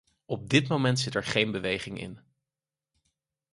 Op dit moment zit er geen beweging in.